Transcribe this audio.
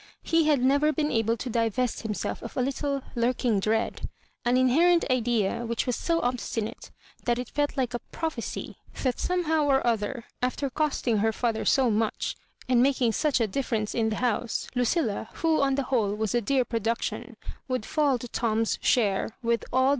He had never been able to divest himself of a little hirking dread, an inherent idea which was so obstinate that it felt like a prophecy, that some how or other, after costing her father so much, and making such a difference in the house, Lu cilla^ who on the whole was a dear production, would fall to Tom's share, with all J)t.